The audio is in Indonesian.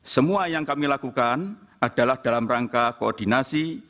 semua yang kami lakukan adalah dalam rangka koordinasi